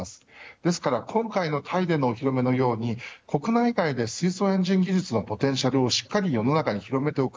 ですから今回のタイでのお披露目のように国内外で、水素エンジン技術のポテンシャルをしっかり世の中に広めておく。